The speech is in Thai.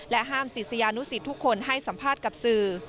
ห้ามศิษยานุสิตทุกคนให้สัมภาษณ์กับสื่อ